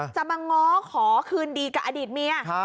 จะมาง้อขอคืนดีกับอดีตเมีย